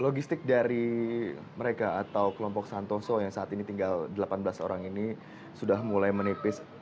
logistik dari mereka atau kelompok santoso yang saat ini tinggal delapan belas orang ini sudah mulai menipis